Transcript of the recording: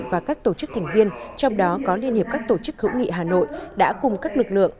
và các tổ chức thành viên trong đó có liên hiệp các tổ chức hữu nghị hà nội đã cùng các lực lượng